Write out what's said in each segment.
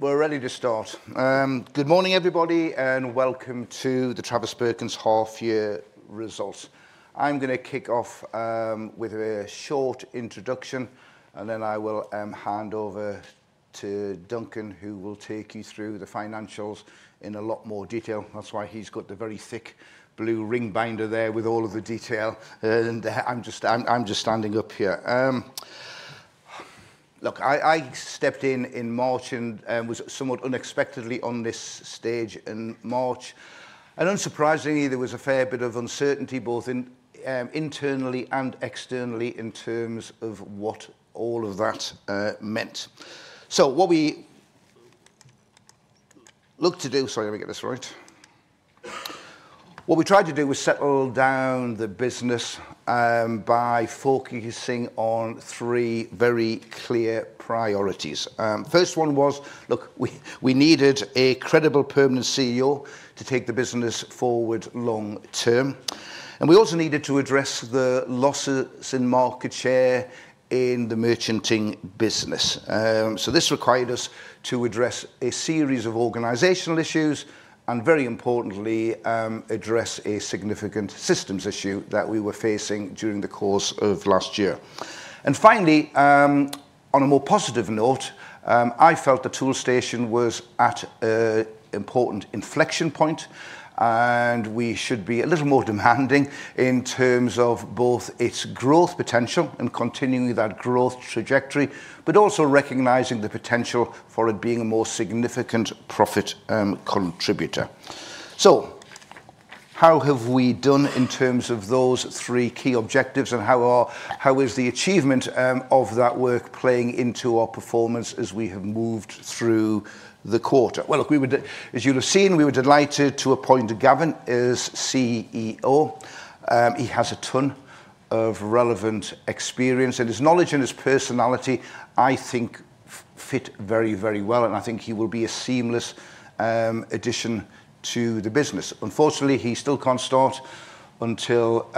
We're ready to start. Good morning, everybody, and welcome to the Travis Perkins half year results. I'm going to kick off with a short introduction, and then I will hand over to Duncan, who will take you through the financials in a lot more detail. That's why he's got the very thick blue ring binder there with all of the detail, and I'm just standing up here. I stepped in in March and was somewhat unexpectedly on this stage in March. Unsurprisingly, there was a fair bit of uncertainty both internally and externally in terms of what all of that meant. What we tried to do was settle down the business by focusing on three very clear prior. First one was, we needed a credible permanent CEO to take the business forward long term, and we also needed to address the losses in market share in the merchanting business. This required us to address a series of organizational issues and, very importantly, address a significant systems issue that we were facing during the course of last year. Finally, on a more positive note, I felt that Toolstation was at an important inflection point, and we should be a little more demanding in terms of both its growth potential and continuing that growth trajectory, but also recognizing the potential for it being a more significant profit contributor. How have we done in terms of those three key objectives, and how is the achievement of that workplace playing into our performance as we have moved through the quarter? As you'll have seen, we were delighted to appoint Gavin as CEO. He has a ton of relevant experience, and his knowledge and his personality, I think, fit very, very well, and I think he will be a seamless addition to the business. Unfortunately, he still can't start until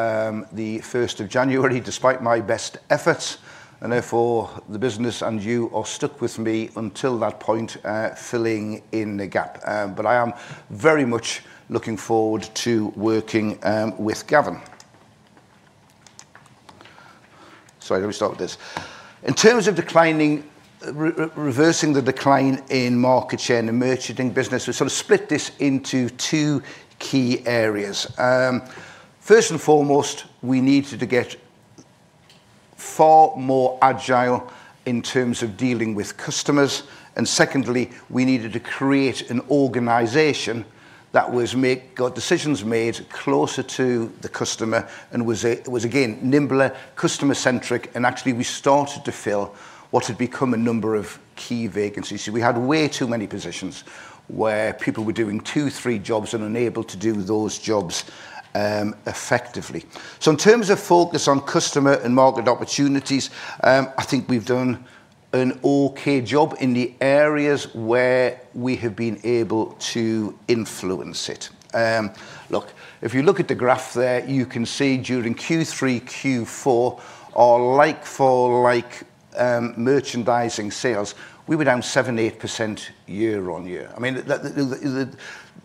the 1st of January, despite my best efforts, and therefore the business and you are stuck with me until that point, filling in the gap. I am very much looking forward to working with Gavin. In terms of reversing the decline in market share in the merchanting business, we sort of split this into two key areas. First and foremost, we needed to get far more agile in terms of dealing with customers. Secondly, we needed to create an organization that got decisions made closer to the customer and was, again, nimbler, customer centric. Actually, we started to fill what had become a number of key vacancies. We had way too many positions where people were doing two, three jobs and unable to do those jobs effectively. In terms of focus on customer and market opportunities, I think we've done an okay job in the areas where we have been able to influence it. Look, if you look at the graph there, you can see during Q3, Q4, our like-for-like merchanting sales were down 7%, 8% year-on-year. I mean,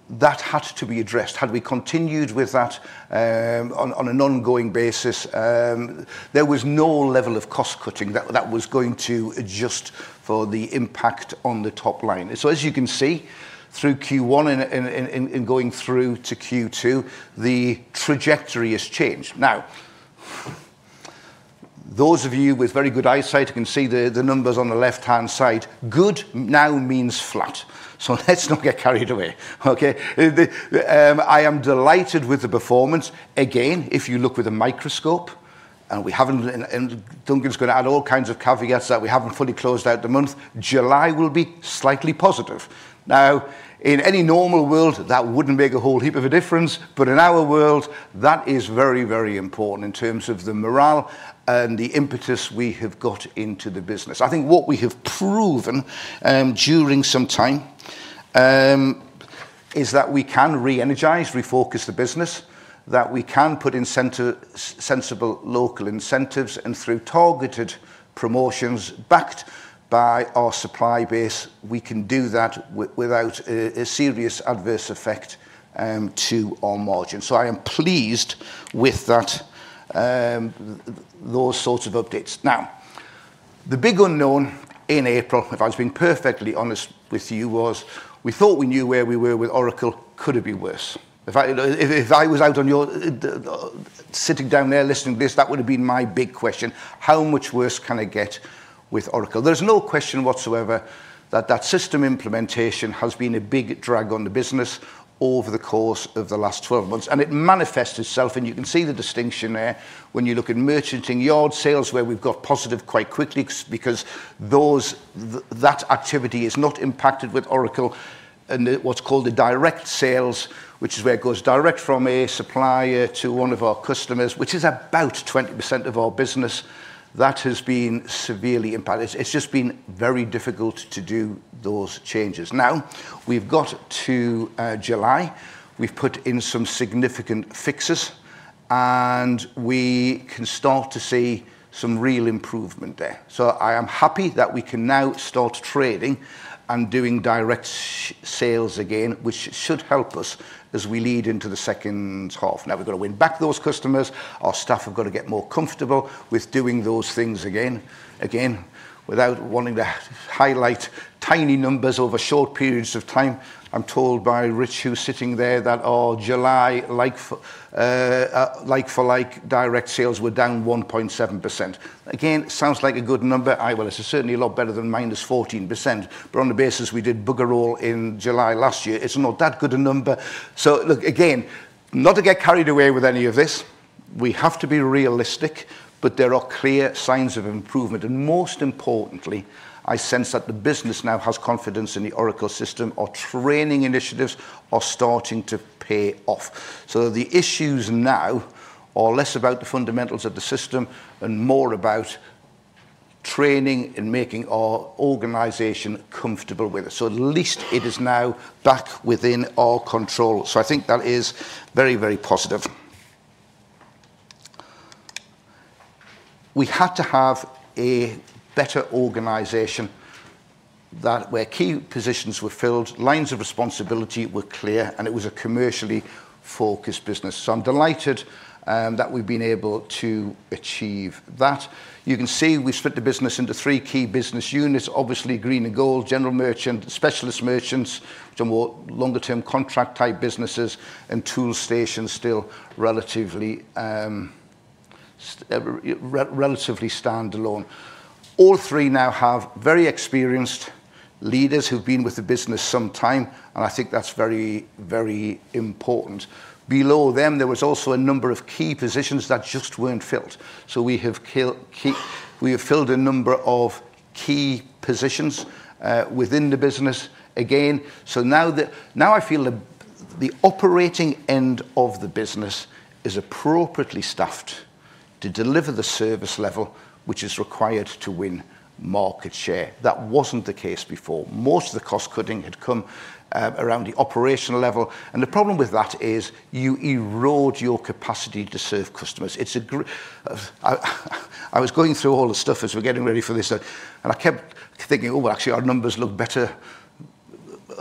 that had to be addressed. Had we continued with that on an ongoing basis, there was no level of cost cutting that was going to adjust for the impact on the top line. As you can see through Q1 and going through to Q2, the trajectory has changed. Now, those of you with very good eyesight, you can see the numbers on the left-hand side. Good now means flat. Let's not get carried away, okay? I am delighted with the performance. Again, if you look with a microscope, and Duncan's going to add all kinds of caveats that we haven't fully closed out the month. July will be slightly. In any normal world, that wouldn't make a whole heap of a difference. In our world, that is very, very important in terms of the morale and the impetus we have got into the business. I think what we have proven during some time is that we can re-energize, refocus the business, that we can put sensible local incentives, and through targeted promotions backed by our supply base, we can do that without a severe adverse effect to our margin. I am pleased with that. Those sorts of updates. The big unknown in April, if I was being perfectly honest with you, was we thought we knew where we were with Oracle. Could it be worse if I was out on your sitting down there listening to this? That would have been my big question. How much worse can it get with Oracle? There's no question whatsoever that that system implementation has been a big drag on the business over the course of the last 12 months, and it manifests itself, and you can see the distinction there when you look at merchant in-yard sales where we've got positive quite quickly because that activity is not impacted with Oracle, and what's called the direct sales, which is where it goes direct from a supplier to one of our customers, which is about 20% of our business, that has been severely impacted. It's just been very difficult to do those changes. Now we've got to July, we've put in some significant fixes, and we can start to see some real improvement there. I am happy that we can now start trading and doing direct sales again, which should help us as we lead into the second half. Now we've got to win back those customers. Our staff have got to get more comfortable with doing those things again without wanting to highlight tiny numbers over short periods of time. I'm told by Rich, who's sitting there, that our July like-for-like sales were down 1.7%. Again, sounds like a good number. It's certainly a lot better than -14%, but on the basis we did booger all in July last year, it's not that good a number. Look, not to get carried away with any of this, we have to be realistic. There are clear signs of improvement, and most importantly, I sense that the business now has confidence in the Oracle system. Our training initiatives are starting to pay off. The issues now are less about the fundamentals of the system and more about training and making our organization comfortable with it. At least it is now back within our control. I think that is very, very positive. We had to have a better organization where key positions were filled, lines of responsibility were clear, and it was commercially focused. I'm delighted that we've been able to achieve that. You can see we split the business into three key business units. Obviously, Green and Gold, General Merchant, Specialist Merchants, some more longer-term contract type businesses, and Toolstation still relatively standalone. All three now have very experienced leaders who've been with the business some time, and I think that's very, very important. Below them, there was also a number of key positions that just weren't filled. We have filled a number of key positions within the business again. Now I feel the operating end of the business is appropriately staffed to deliver the service level which is required to win market share. That wasn't the case before. Most of the cost cutting had come around the operational level, and the problem with that is you erode your capacity to serve customers. I was going through all the stuff as we were getting ready for this, and I kept thinking, actually, our numbers look better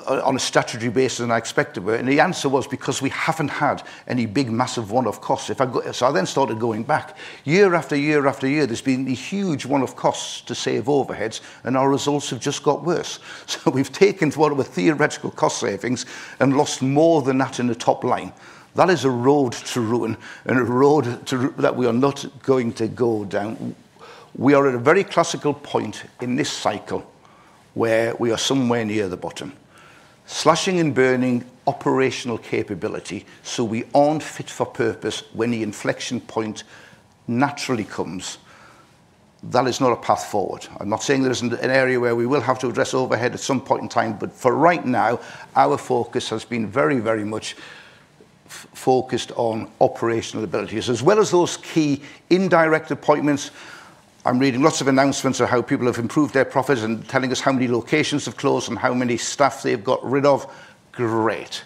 on a statutory basis than I expected. The answer was because we haven't had any big massive one-off costs. I then started going back year after year after year. There's been a huge one-off cost to save overheads, and our results have just got worse. We have taken what were theoretical cost savings and lost more than that in the top line. That is a road to ruin and a road that we are not going to go down. We are at a very classical point in this cycle where we are somewhere near the bottom, slashing and burning operational capability. We are not fit for purpose when the inflection point naturally comes. That is not a path forward. I'm not saying there isn't an area where we will have to address overhead at some point in time, but for right now, our focus has been very, very much focused on operational abilities as well as those key indirect appointments. I'm reading lots of announcements of how people have improved their profits and telling us how many locations have closed and how many staff they've got rid of. Great.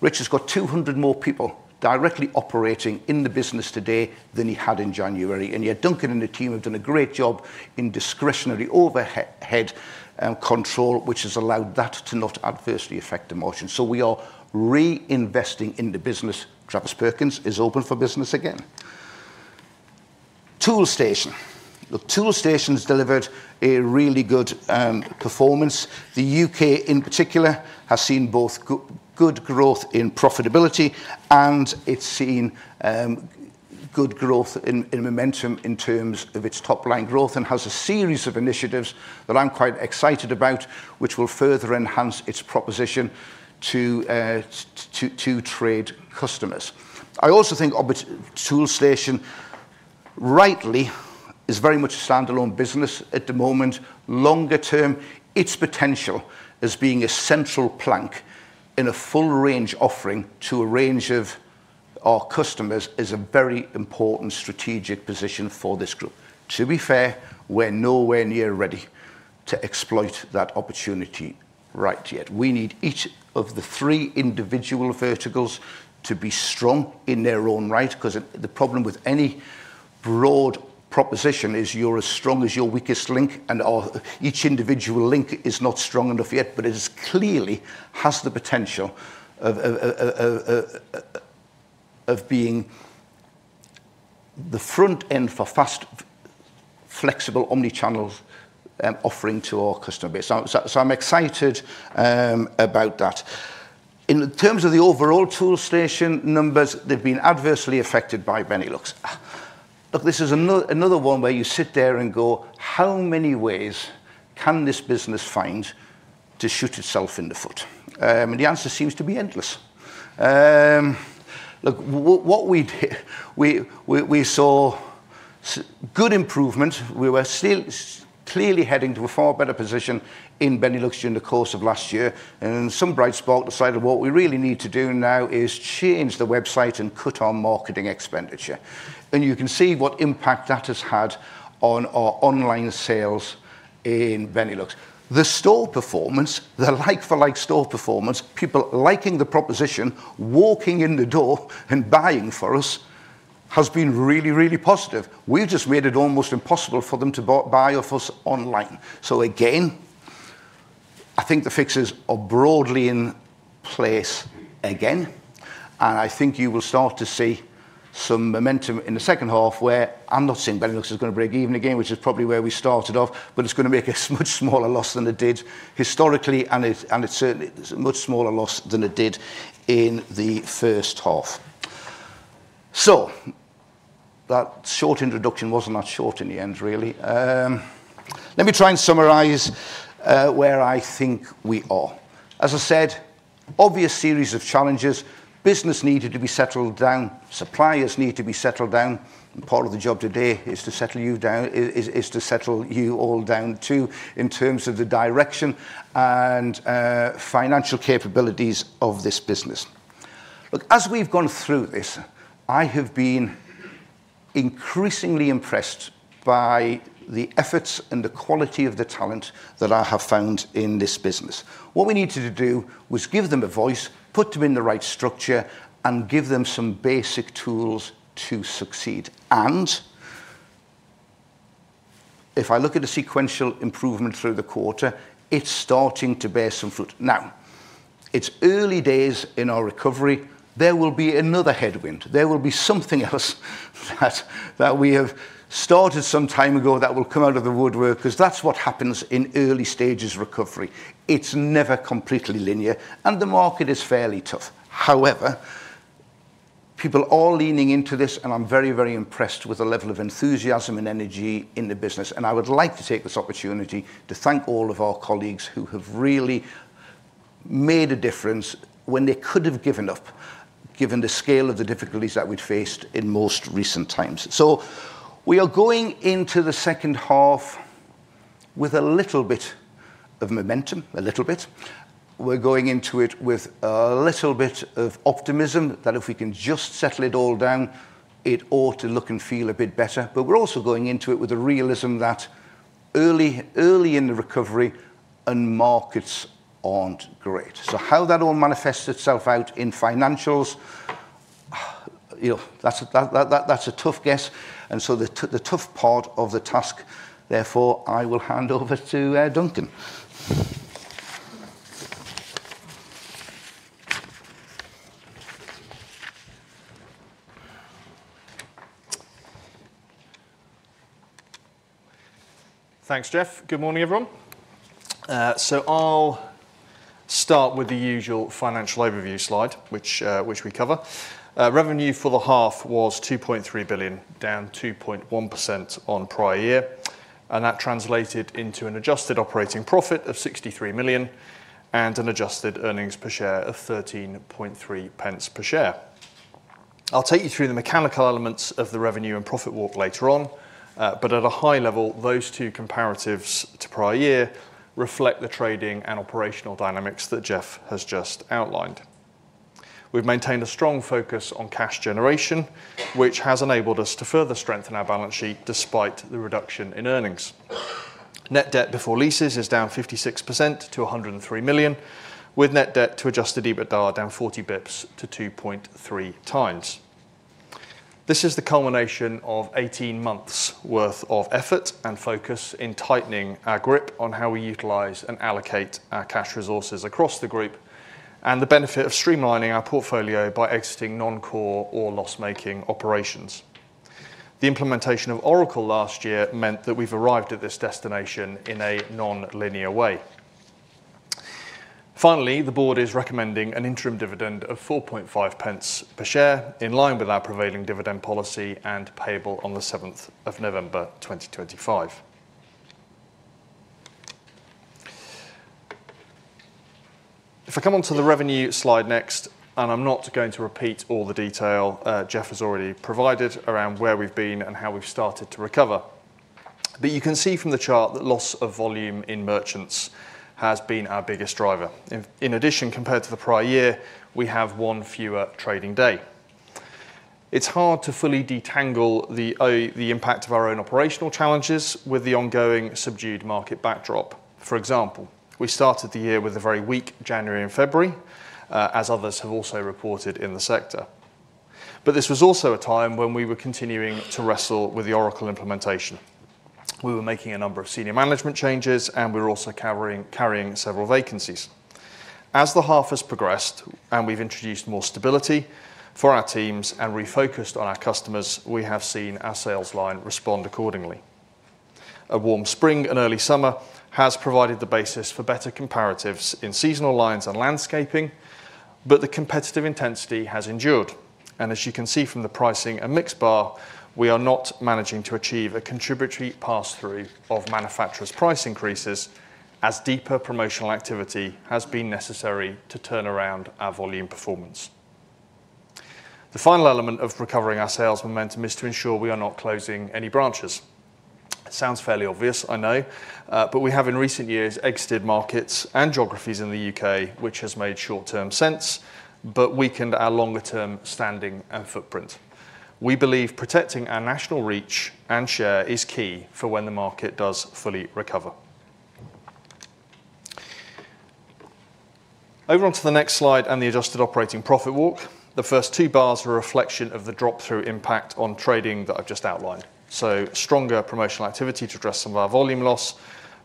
Rich has got 200 more people directly operating in the business today than he had in January, and yet Duncan and the team have done a great job in discretionary overhead control, which has allowed that to not adversely affect the margin. We are reinvesting in the business. Travis Perkins is open for business again. Toolstation. Toolstation's delivered a really good performance. The U.K. in particular has seen both good growth in profitability and it's seen good growth in momentum in terms of its top line growth and has a series of initiatives that I'm quite excited about which will further enhance its proposition to trade customers. I also think Toolstation rightly is very much a standalone business at the moment. Longer term, its potential as being a central plank in a full range offering to a range of our customers is a very important strategic position for this group. To be fair, we're nowhere near ready to exploit that opportunity, right? Yet we need each of the three individual verticals to be strong in their own right. The problem with any broad proposition is you're as strong as your weakest link and each individual link is not strong enough yet. It clearly has the potential of being the front end for fast, flexible omnichannel offering to our customer base. I'm excited about that. In terms of the overall Toolstation numbers, they've been adversely affected by many looks. This is another one where you sit there and go, how many ways can this business find to shoot itself in the foot? The answer seems to be endless. Look what we did. We saw good improvement. We were clearly heading to a far better position in Benelux during the course of last year, and some bright spark decided what we really need to do now is change the website and cut our marketing expenditure. You can see what impact that has had on our online sales in Benelux. The store performance, the like-for-like store performance, people liking the proposition, walking in the door and buying from us, has been really, really positive. We've just made it almost impossible for them to buy from us online. I think the fixes are broadly in place again, and I think you will start to see some momentum in the second half. I'm not saying Benelux is going to break even again, which is probably where we started off, but it's going to make a much smaller loss than it did historically, and it's certainly a much smaller loss than it did in the first half. That short introduction wasn't that short in the end, really. Let me try and summarize where I think we are. As I said, obvious series of challenges. Business needed to be settled down, suppliers need to be settled down. Part of the job today is to settle you down, to settle you all down too, in terms of the direction and financial capabilities of this business. As we've gone through this, I have been increasingly impressed by the efforts and the quality of the talent that I have found in this business. What we needed to do was give them a voice, put them in the right structure, and give them some basic tools to succeed. If I look at the sequential improvement through the quarter, it's starting to bear some fruit. Now it's early days in our recovery. There will be another headwind. There will be something else that we have started some time ago that will come out of the woodwork because that's what happens in early stages of recovery. It's never completely linear, and the market is fairly tough. However, people are all leaning into this, and I'm very, very impressed with the level of enthusiasm and energy in the business. I would like to take this opportunity to thank all of our colleagues who have really made a difference when they could have given up, given the scale of the difficulties that we'd faced in most recent times. We are going into the second half with a little bit of momentum, a little bit. We're going into it with a little bit of optimism that if we can just settle it all down, it ought to look and feel a bit better. We are also going into it with the realism that early in the recovery and markets aren't great. How that all manifests itself out in financials, that's a tough guess. The tough part of the task, therefore, I will hand over to Duncan. Thanks, Geoff. Good morning, everyone. I'll start with the usual financial overview slide which we cover. Revenue for the half was 2.3 billion, down 2.1% on prior year, and that translated into an adjusted operating profit of 63 million and an adjusted earnings per s of 13.3 pence per share. I'll take you through the mechanical elements of the revenue and profit walk later, but at a high level, those two comparatives to prior year reflect the trading and operational dynamics that Geoff has just outlined. We've maintained a strong focus on cash generation, which has enabled us to further strengthen our balance sheet. Despite the reduction in earnings, net debt before leases is down 56% to 103 million, with net debt to adjusted EBITDA down 40 bps to 2.3 times. This is the culmination of 18 months' worth of effort and focus in tightening our grip on how we utilize and allocate our cash resources across the group and the benefit of streamlining our portfolio by exiting non-core or loss-making operations. The implementation of Oracle last year meant that we've arrived at this destination in a non-linear way. Finally, the Board is recommending an interim dividend of 4.5 pence per share in line with our prevailing dividend policy and payable on the 7th of November 2025. If I come onto the revenue slide next, I'm not going to repeat all the detail Geoff has already provided around where we've been and how we've started to recover, but you can see from the chart that loss of volume in merchanting has been our biggest driver. In addition, compared to the prior year, we have one fewer trading day. It's hard to fully detangle the impact of our own operational challenges with the ongoing subdued market backdrop. For example, we started the year with a very weak January and February, as others have also reported in the sector. This was also a time when we were continuing to wrestle with the Oracle implementation. We were making a number of senior management changes, and we were also carrying several vacancies. As the half has progressed and we've introduced more stability for our teams and refocused on our customers, we have seen our sales line respond accordingly. A warm spring and early summer has provided the basis for better comparatives in seasonal lines and landscaping. The competitive intensity has endured, and as you can see from the pricing and mix bar, we are not managing to achieve a contributory pass through of manufacturers' price increases, as deeper promotional activity has been necessary to turn around our volume performance. The final element of recovering our sales momentum is to ensure we are not closing any branches. Sounds fairly obvious, I know, but we have in recent years exited markets and geographies in the U.K., which has made short-term sense but weakened our longer-term standing and footprint. We believe protecting our national reach and share is key for when the market does fully recover. Over onto the next slide and the adjusted operating profit walk, the first two bars are a reflection of the drop-through impact on trading that I've just outlined. Stronger promotional activity to address some of our volume loss,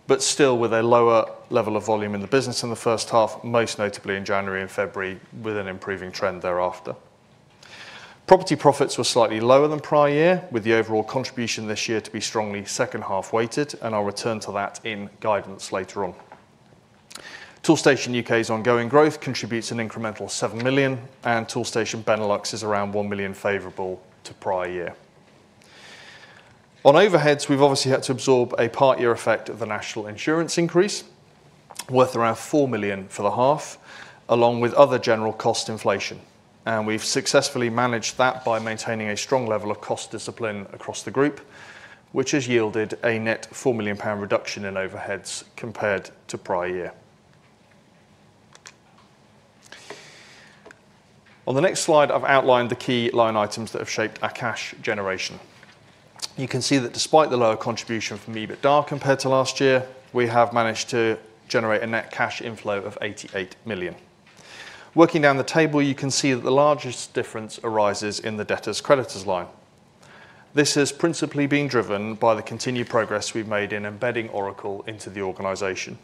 but still with a lower level of volume in the business in the first half, most notably in January and February, with an improving trend thereafter. Property profits were slightly lower than prior year, with the overall contribution this year to be strongly second-half weighted, and I'll return to that in guidance later on. Toolstation UK's ongoing growth contributes an incremental 7 million, and Toolstation Benelux is around 1 million. Favorable to prior year on overheads, we've obviously had to absorb a part-year effect of the National Insurance increase worth around 4 million for the half, along with other general cost inflation. We've successfully managed that by maintaining a strong level of cost discipline across the group, which has yielded a net EUR 4 million reduction in overheads compared to prior year. On the next slide, I've outlined the key line items that have shaped our cash generation. You can see that despite the lower contribution from EBITDA compared to last year, we have managed to generate a net cash inflow of 88 million. Working down the table, you can see that the largest difference arises in the debtors/creditors line. This has principally been driven by the continued progress we've made in embedding Oracle into the organization.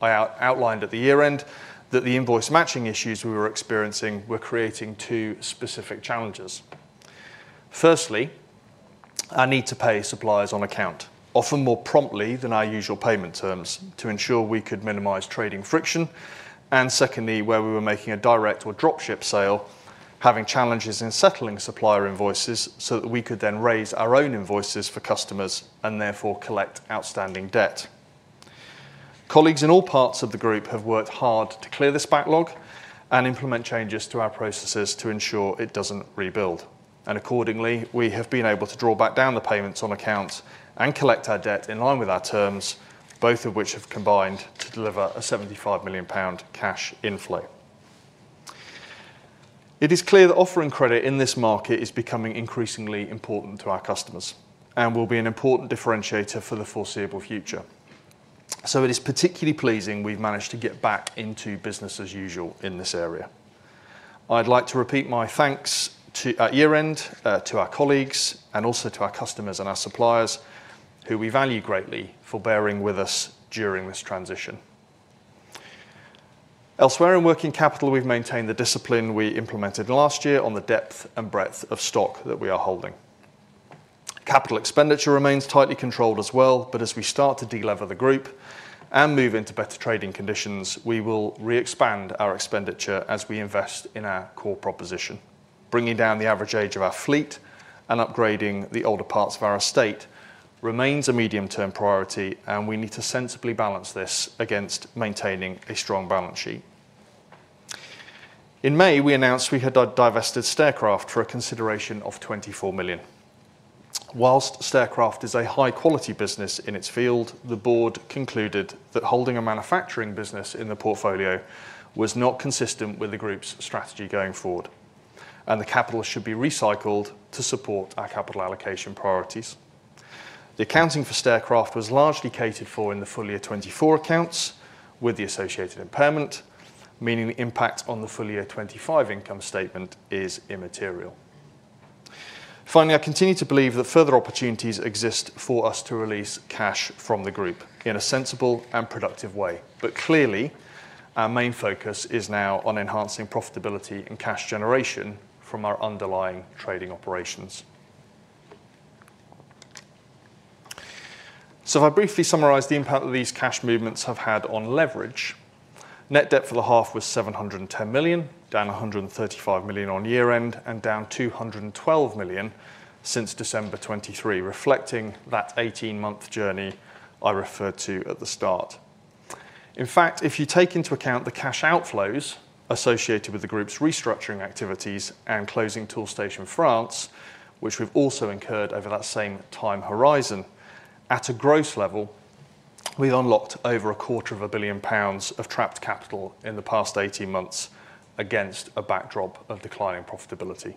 I outlined at the year end that the invoice matching issues we were experiencing were creating two specific challenges. Firstly, our need to pay suppliers on account, often more promptly than our usual payment terms, to ensure we could minimize trading friction. Where we were making a direct or dropship sale, we had challenges in settling supplier invoices so that we could then raise our own invoices for customers and therefore collect outstanding debt. Colleagues in all parts of the group have worked hard to clear this backlog and implement changes to our processes to ensure it doesn't rebuild. Accordingly, we have been able to draw back down the payments on account and collect our debt in line with our terms, both of which have combined to deliver a EUR 75 million cash inflow. It is clear that offering credit in this market is becoming increasingly important to our customers and will be an important differentiator for the foreseeable future. It is particularly pleasing we've managed to get back into business as usual in this area. I'd like to repeat my thanks at year end to our colleagues and also to our customers and our suppliers, who we value greatly for bearing with us during this transition. Elsewhere in working capital, we've maintained the discipline we implemented last year on the depth and breadth of stock that we are holding. Capital expenditure remains tightly controlled as well, but as we start to deliver the group and move into better trading conditions, we will re-expand our expenditure as we invest in our core proposition. Bringing down the average age of our fleet and upgrading the older parts of our estate remains a medium-term priority and we need to sensibly balance this against maintaining a strong balance sheet. In May we announced we had divested Staircraft for a consideration of 24 million. Whilst Staircraft is a high-quality business in its field, the Board concluded that holding a manufacturing business in the portfolio was not consistent with the Group's strategy going forward and the capital should be recycled to support our capital allocation priorities. The accounting for Staircraft was largely catered for in the full year 2024 accounts with the associated impairment, meaning the impact on the full year 2025 income statement is immaterial. I continue to believe that further opportunities exist for us to release cash from the group in a sensible and productive way. Clearly our main focus is now on enhancing profitability and cash generation from our underlying trading operations. If I briefly summarise the impact that these cash movements have had on leverage. Net debt for the half was 710 million, down 135 million on year end and down 212 million since December 23, reflecting that 18 month journey I referred to at the start. In fact, if you take into account the cash outflows associated with the Group's restructuring activities and closing Toolstation France, which we've also incurred over that same time horizon at a gross level, we've unlocked over a quarter of a billion pounds of trapped capital in the past 18 months against a backdrop of declining profitability.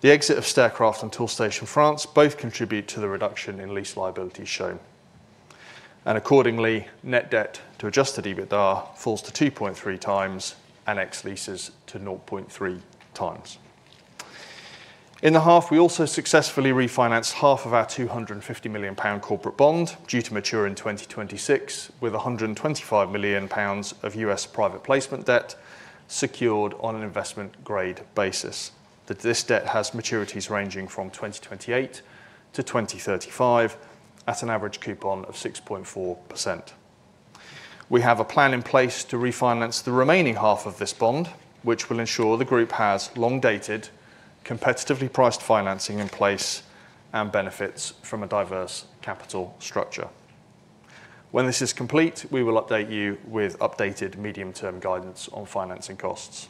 The exit of Staircraft and Toolstation France both contribute to the reduction in lease liabilities shown and accordingly net debt to adjusted EBITDA falls to 2.3 times and ex leases to 0.3 times in the half. We also successfully refinanced half of our EUR 250 million corporate bond due to mature in 2026. With EUR 125 million of U.S. private placement debt secured on an investment grade basis, this debt has maturities ranging from 2028-2035 at an average coupon of 6.4%. We have a plan in place to refinance the remaining half of this bond which will ensure the Group has long dated competitively priced financing in place and benefits from a diverse capital structure. When this is complete we will update you with updated medium term guidance on financing costs.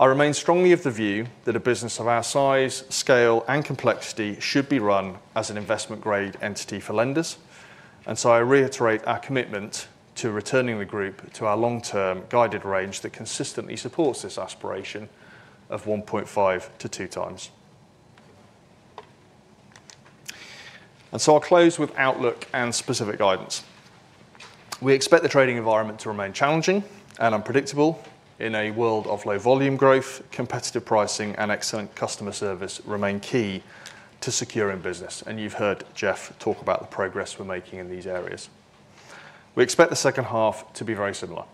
I remain strongly of the view that a business of our size, scale and complexity should be run as an investment grade entity for lenders. I reiterate our commitment to returning the group to our long term guided range that consistently supports this aspiration of 1.5 times-2 times. I'll close with outlook and specific guidance. We expect the trading environment to remain challenging and unpredictable in a world of low volume growth, competitive pricing and excellent customer service remain key to securing business. You've heard Geoff talk about the progress we're making in these areas. We expect the second half to be very similar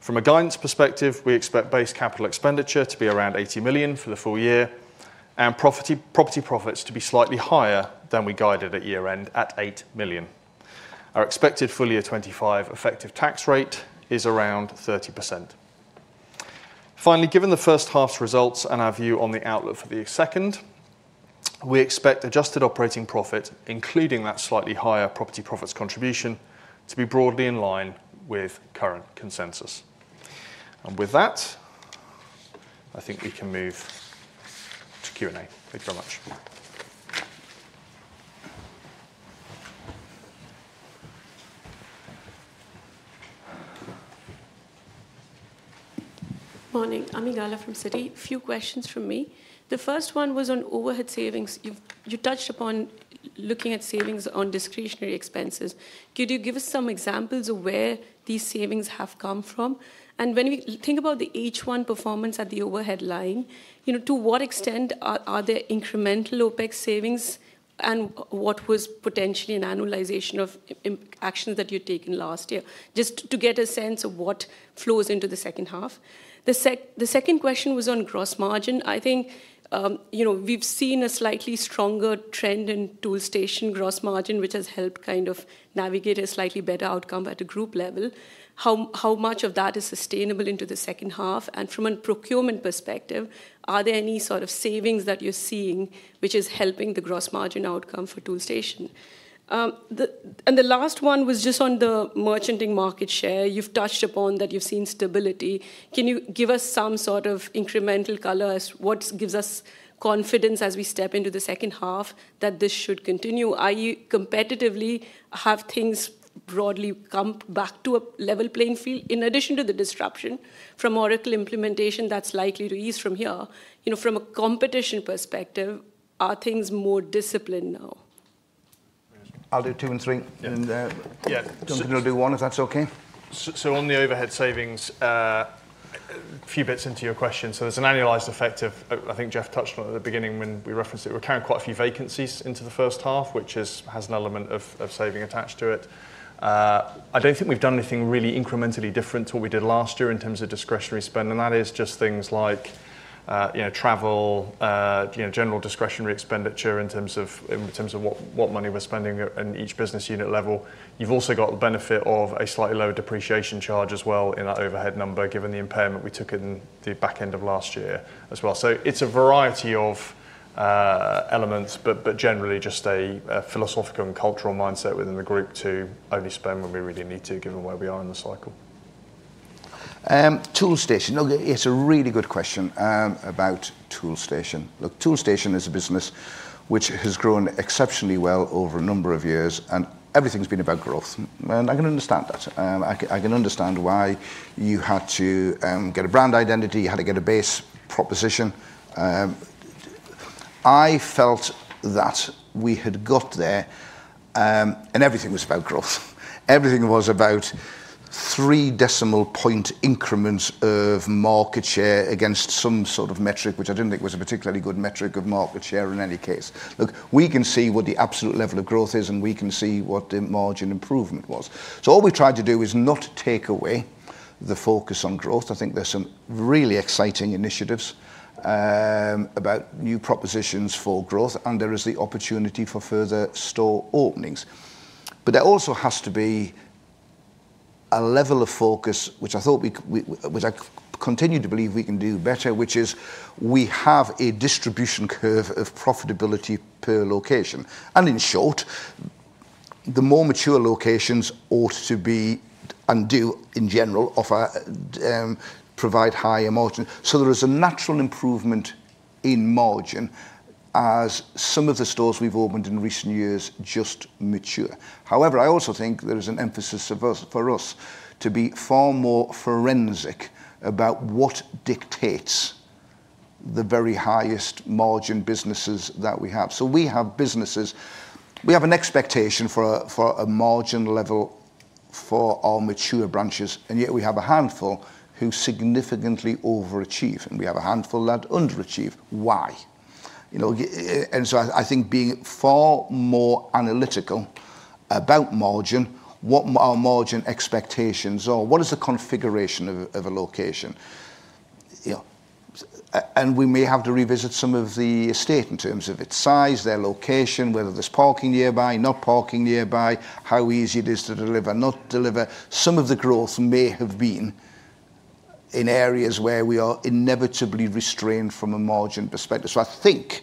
from a guidance perspective. We expect base capital expenditure to be around 80 million for the full year and property profits to be slightly higher than we guided at year end at 8 million. Our expected full year 2025 effective tax rate is around 30%. Finally, given the first half's results and our view on the outlook for the second, we expect adjusted operating profit, including that slightly higher property profits contribution, to be broadly in line with current consensus. With that I think we can move to Q&A. Thank you very much. Morning. I'm Ami Galla from Citi. Few questions from me. The first one was on overhead savings. You touched upon looking at savings on discretionary expenses. Could you give us some examples of where these savings have come from? When we think about the H1 performance at the overhead line, to what extent are there incremental OpEx savings and what was potentially an annualization of actions that you'd taken last year just to get a sense of what flows into the second half? The second question was on gross margin. I think we've seen a slightly stronger trend in Toolstation gross margin which has helped kind of navigate a slightly better outcome at a group level. How much of that is sustainable into the second half? From a procurement perspective, are there any sort of savings that you're seeing which is helping the gross margin outcome for Toolstation? The last one was just on the merchanting market share. You've touched upon that you've seen stability. Can you give us some sort of incremental color as to what gives us confidence as we step into the second half that this should continue, that is competitively have things broadly come back to a level playing field in addition to the disruption from Oracle implementation that's likely to ease from here? From a competition perspective, are things more disciplined now? I'll do two and three, and yeah, do one if that's okay. On the overhead savings, a few bits into your question, there's an annualized effect. I think Geoff touched on at the beginning when we referenced it. We're carrying quite a few vacancies into the first half, which has an element of saving attached to it. I don't think we've done anything really incrementally different to what we did last year in terms of discretionary spend. That is just things like, you know, travel, general discretionary expenditure in terms of what money we're spending in each business unit level. You've also got the benefit of a slightly lower depreciation charge as well in our overhead number, given the impairment we took in the back end of last year as well. It's a variety of elements, but generally just a philosophical and cultural mindset within the group to only spend when we really need to, given where we are in the cycle. Cool. Toolstation. It's a really good question about Toolstation. Look, Toolstation is a business which has grown exceptionally well over a number of years and everything's been about growth. I can understand that. I can understand why you had to get a brand identity, you had to get a base proposition. I felt that we had got there and everything was about growth. Everything was about three decimal point increments of market share against some sort of metric which I didn't think was a particularly good metric of market share. In any case, we can see what the absolute level of growth is and we can see what the margin improvement was. All we tried to do is not take away the focus on growth. I think there's some really exciting initiatives about new propositions for growth and there is the opportunity for further store openings. There also has to be a level of focus which I thought we, which I continue to believe we can do better, which is we have a distribution curve of profitability per location. In short, the more mature locations ought to be and do in general offer, provide higher margin. There is a natural improvement in margin as some of the stores we've opened in recent years just mature. However, I also think there is an emphasis for us to be far more forensic about what dictates the very highest margin businesses that we have. We have businesses, we have an expectation for a margin level for our mature branches, and yet we have a handful who significantly overachieve and we have a handful that underachieve. Why? I think being far more analytical about margin, what our margin expectations are, what is the configuration of a location, and we may have to revisit some of the estate in terms of its size, their location, whether there's parking nearby, not parking nearby, how easy it is to deliver, not deliver. Some of the growth may have been in areas where we are inevitably restrained from a margin perspective. I think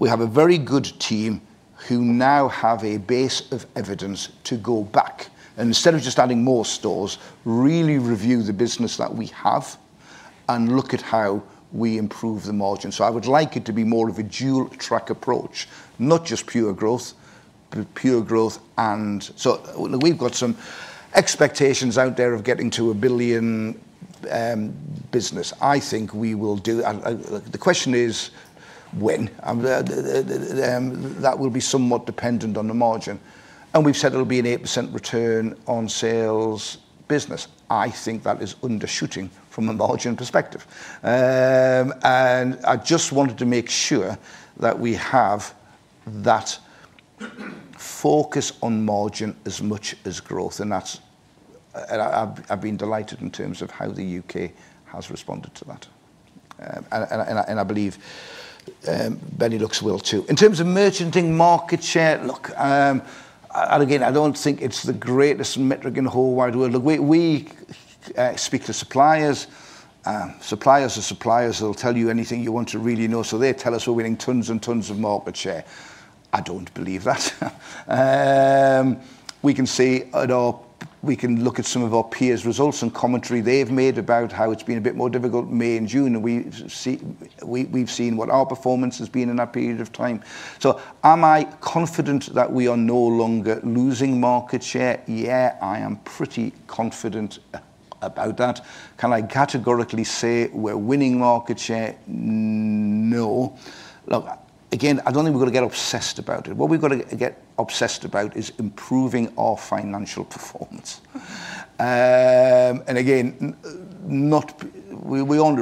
we have a very good team who now have a base of evidence to go back and instead of just adding more stores, really review the business that we have and look at how we improve the margin. I would like it to be more of a dual track approach, not just pure growth, but pure growth. We've got some expectations out there of getting to a billion business. I think we will do. The question is when. That will be somewhat dependent on the margin, and we've said it'll be an 8% return on sales business. I think that is undershooting from a margin perspective, and I just wanted to make sure that we have that focus on margin as much as growth, and that's. I've been delighted in terms of how the U.K. has responded to that, and I believe Benelux as well too in terms of merchanting market share. Look, I don't think it's the greatest metric in the whole wide world. We speak to suppliers, suppliers are suppliers, they'll tell you anything you want to really know. They tell us we're winning tons and tons of market share. I don't believe that we can see at all. We can look at some of our peers' results and commentary they've made about how it's been a bit more difficult May and June, and we've seen what our performance has been in that period of time. Am I confident that we are no longer losing market share? Yeah, I am pretty confident about that. Can I categorically say we're winning market share? No. I don't think we're going to get obsessed about it. What we've got to get obsessed about is improving our financial performance. We want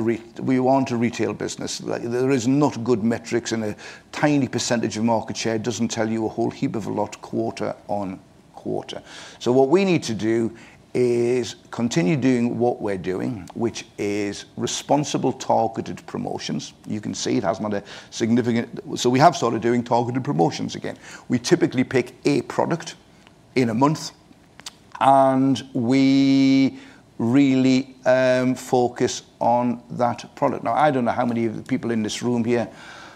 a retail business. There are not good metrics, and a tiny percentage of market share doesn't tell you a whole heap of a lot, quarter on quarter. What we need to do is continue doing what we're doing, which is responsible targeted promotions. You can see it has not a significant. We have started doing targeted promotions again. We typically pick a product in a month, and we really focus on that product. I don't know how many of the people in this room here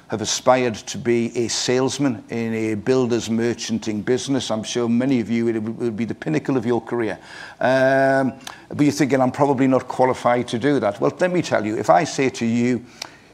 have aspired to be a salesman in a builder's merchanting business. I'm sure many of you, it would be the pinnacle of your career. You're thinking, I'm probably not qualified to do that. If I say to you,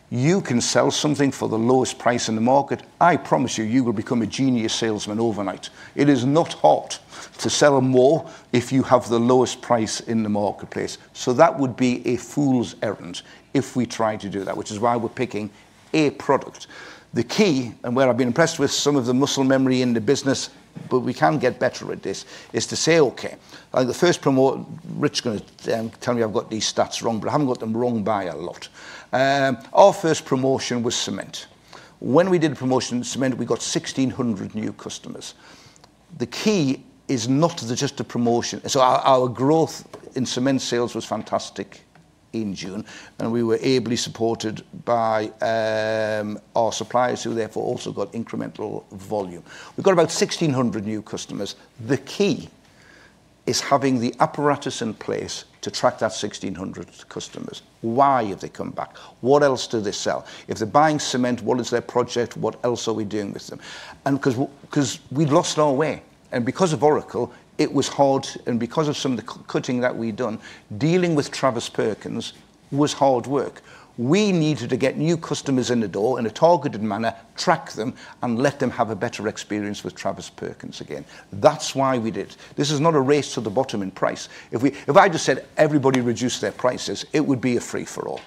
you can sell something for the lowest price in the market, I promise you, you will become a genius salesman overnight. It is not hard to sell more if you have the lowest price in the marketplace. That would be a fool's errand if we try to do that, which is why we're picking a product. The key, and where I've been impressed with some of the muscle memory in the business, but we can get better at this, is to say, okay, the first promoter, Rich is going to tell me I've got these stats wrong, but I haven't got them wrong by a lot. Our first promotion was cement. When we did promotion cement, we got 1,600 new customers. The key is not just a promotion. Our growth in cement sales was fantastic in June, and we were ably supported by our suppliers who therefore also got incremental volume. We've got about 1,600 new customers. The key is having the apparatus in place to track that 1,600 customers, why have they come back? What else do they sell? If they're buying cement, what is their project? What else are we doing with them? Because we'd lost our way and because of Oracle, it was hard, and because of some of the cutting that we'd done, dealing with Travis Perkins was hard work. We needed to get new customers in the door in a targeted manner, track them, and let them have a better experience with Travis Perkins again. That's why we did this. This is not a race to the bottom in price. If I just said everybody reduced their prices, it would be a free for all.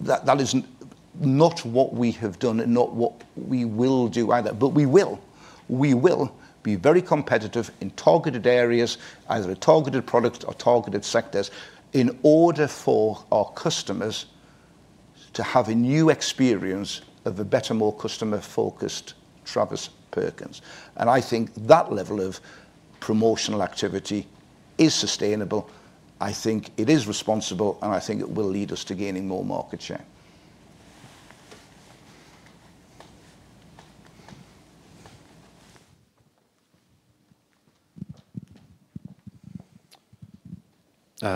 That is not what we have done and not what we will do either. We will be very competitive in targeted areas, either a targeted product or targeted sectors, in order for our customers to have a new experience of a better, more customer-focused Travis Perkins. I think that level of promotional activity is sustainable. I think it is responsible, and I think it will lead us to gaining more market share.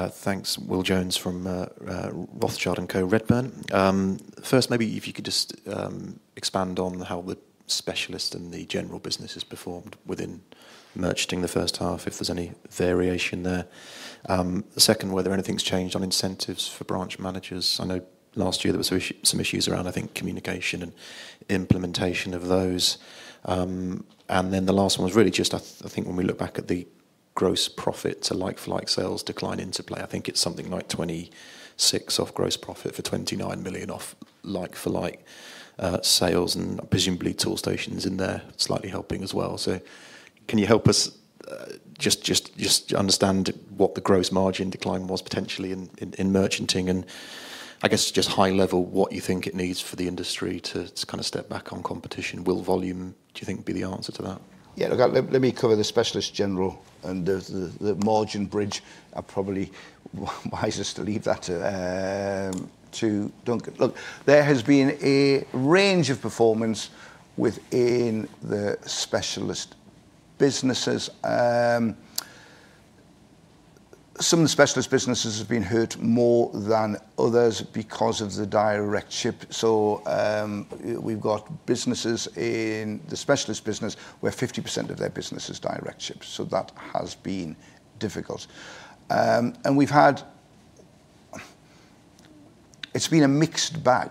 Thanks. Will Jones from Rothschild & Co, Redburn. First, maybe if you could just expand on how the specialists and the general businesses performed within merchanting in the first half, if there's any variation there. Second, whether anything's changed on incentives for branch managers. I know last year there were some issues around, I think, communication and implementation of those, and then the last one was really just, I think, when we look back at the gross profit to like-for-like sales decline interplay. I think it's something like 26 million off gross profit for 29 million off like-for-like sales, and presumably Toolstation is in there slightly helping as well. Can you help us just understand what the gross margin decline was potentially in merchanting, and I guess just high level, what you think it needs for the industry to kind of step back on competition. Will volume, do you think, be the answer to that? Let me cover the specialist General and the margin bridge. It's probably wisest to leave that to Duncan. There has been a range of performance within the specialist businesses. Some of the specialist businesses have been hurt more than others because of the direct ship. We've got businesses in the specialist business where 50% of their business is direct ships. That has been difficult and we've had a mixed bag.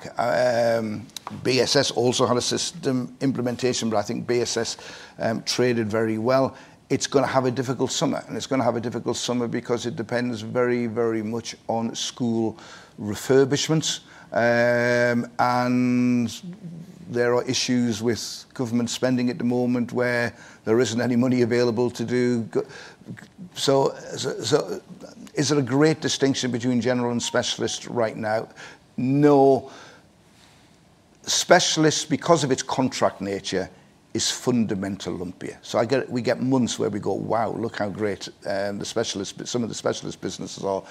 BSS also had a system implementation, but I think BSS traded very well. It's going to have a difficult summer because it depends very, very much on school refurbishments and there are issues with government spending at the moment where there isn't any money available to do so. Is there a great distinction between general and specialists right now? No. Specialists, because of its contract nature, is fundamental. We get months where we go, wow, look how great some of the specialist businesses are.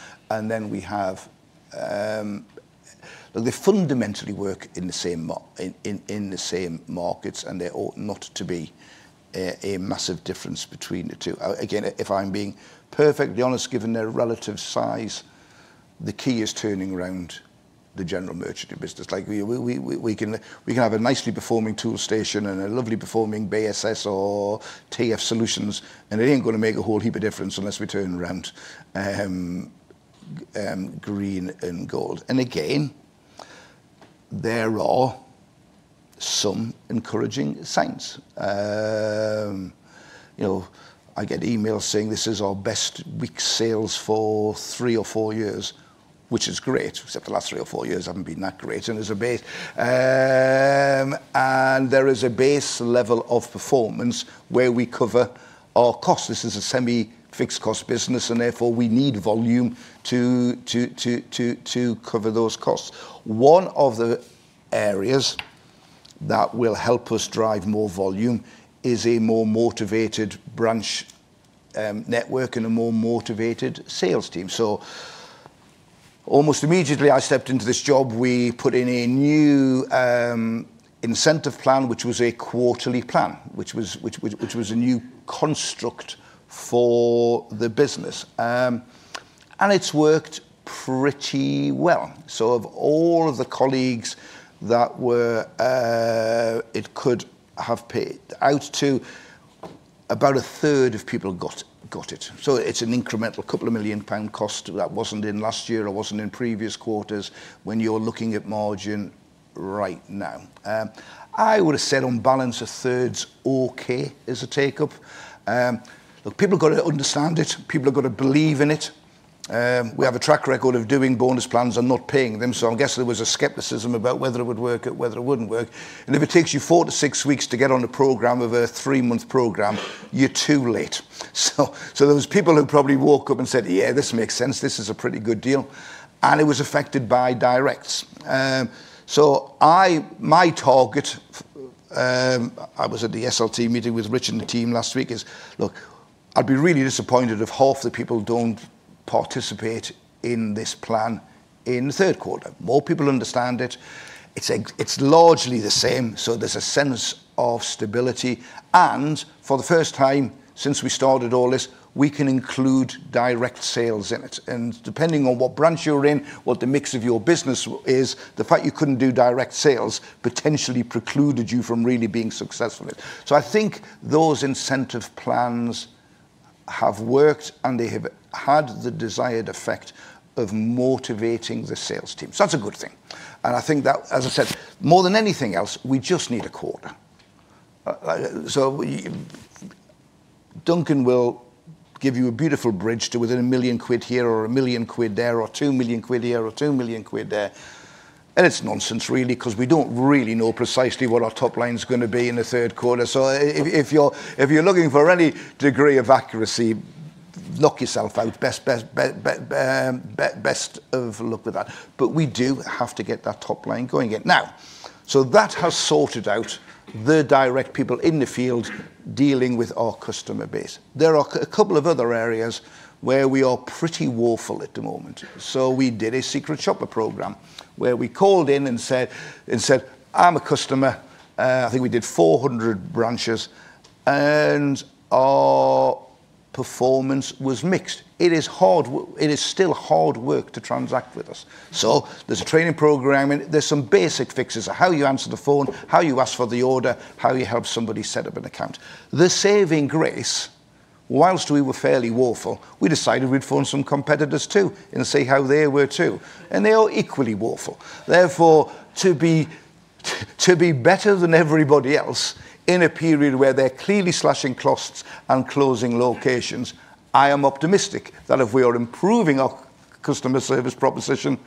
They fundamentally work in the same markets and there ought not to be a massive difference between the two. If I'm being perfectly honest, given their relative size, the key is turning around the General Merchant business. We can have a nicely performing Toolstation and a lovely performing BSS or TF Solutions and it isn't going to make a whole heap of difference unless we turn around Green and Gold. There are some encouraging signs. I get emails saying this is our best week sales for three or four years, which is great, except the last three or four years haven't been that great as a base, and there is a base level of performance where we cover our costs. This is a semi-fixed cost business and therefore we need volume to cover those costs. One of the areas that will help us drive more volume is a more motivated branch network and a more motivated sales team. Almost immediately I stepped into this job, we put in a new incentive plan, which was a quarterly plan, which was a new construct for the business and it's worked pretty well. Of all of the colleagues that it could have paid out to, about a third of people got it. It's an incremental couple of million pound cost that wasn't in last year or wasn't in previous quarters. When you're looking at margin right now, I would have said on balance, a third's okay as a take up. People have got to understand it, people have got to believe in it. We have a track record of doing bonus plans and not paying them. I guess there was a skepticism about whether it would work or whether it wouldn't work. If it takes you four to six weeks to get on the program of a three month program, you're too late. There were people who probably woke up and said, yeah, this makes sense, this is a pretty good deal. It was affected by directs. My target, I was at the SLT meeting with Rich and team last week, is look, I'd be really disappointed if half the people don't participate in this plan in third quarter. More people understand it. It's largely the same. There's a sense of stability. For the first time since we started all this, we can include direct sales in it. Depending on what branch you're in, what the mix of your business is, the fact you couldn't do direct sales potentially precluded you from really being successful. I think those incentive plans have worked and they have had the desired effect of motivating the sales team. That's a good thing. I think that as I said, more than anything else, we just need a quote. Duncan will give you a beautiful bridge to within a million quid here or a million quid there or EUR 2 million here or EUR 2 million there. It's nonsense really because we don't really know precisely what our top line is going to be in the third quarter. If you're looking for any degree of accuracy, knock yourself out. Best of luck with that. We do have to get that top line going now. That has sorted out the direct people in the field dealing with our customer base. There are a couple of other areas where we are pretty woeful at the moment. We did a secret shopper program where we called in and said I'm a customer. I think we did 400 branches and our performance was mixed. It is hard, it is still hard work to transact with us. There's a training program and there's some basic fixes. How you answer the phone, how you forward the order, how you help somebody set up an account. The saving grace, whilst we were fairly woeful, we decided we'd phone some competitors too and see how they were too and they are equally woeful. Therefore, to be better than everybody else in a period where they're clearly slashing costs and closing locations. I am optimistic that if we are improving our customer service proposition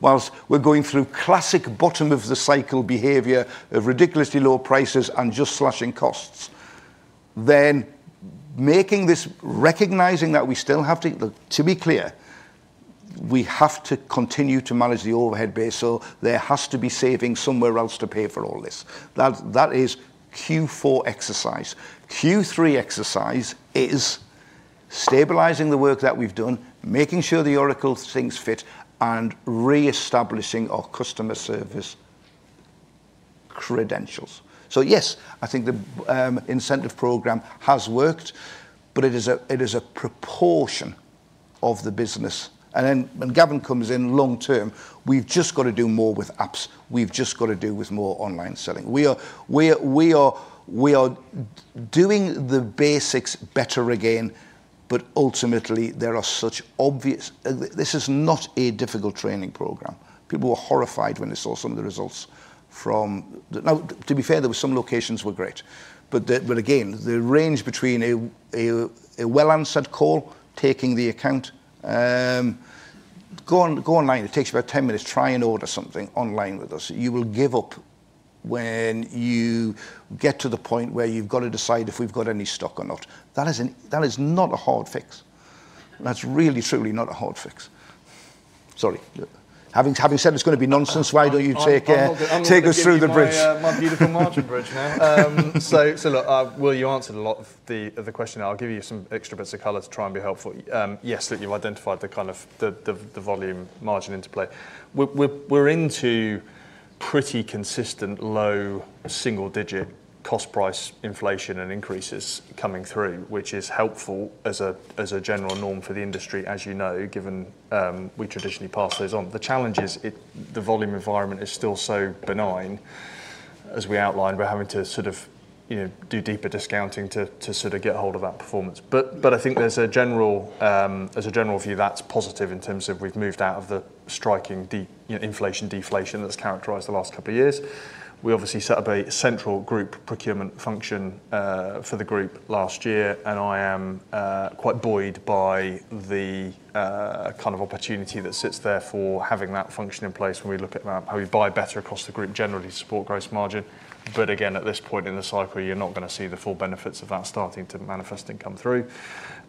whilst we're going through classic bottom of the cycle behavior of ridiculously low prices and just slashing costs, then making this, recognizing that we still have to, to be clear, we have to continue to manage the overhead base. There has to be saving somewhere else to pay for all this. That is Q4 exercise. Q3 exercise is stabilizing the work that we've done, making sure the Oracle sinks fit, and reestablishing our customer service credentials. Yes, I think the incentive program has worked, but it is a proportion of the business, and when Gavin comes in long term, we've just got to do more with apps. We've just got to do more online selling. We are doing the basics better again, but ultimately there are such obvious, this is not a difficult training program. People were horrified when they saw some of the results from now. To be fair, there were some locations that were great, but again, the range between a well-answered call, taking the account, go online, it takes about 10 minutes. Try and order something online with us. You will give up when you get to the point where you've got to decide if we've got any stock or not. That is not a hard fix. That's really, truly not a hard fix. Sorry, but having said it's going to be nonsense. Why don't you take us through the bridge. My beautiful margin bridge. You answered a lot of the question. I'll give you some extra bits of color to try and be helpful. Yes, you've identified the kind of the volume margin interplay. We're into pretty consistent low single digit cost price inflation and increases coming through, which is helpful as a general norm for the industry, as you know, given that we traditionally pass those on. The challenge is the volume environment is still so benign as we outlined. We're having to do deeper discounting to get hold of that performance. I think there's a general view that's positive in terms of we've moved out of the striking inflation deflation that's characterized the last couple of years. We obviously set up a central group procurement function for the group last year, and I am quite buoyed by the kind of opportunity that sits there for having that function in place when we look at how we buy better across the group generally to support gross margin. At this point in the cycle, you're not going to see the full benefits of that starting to manifest and come through.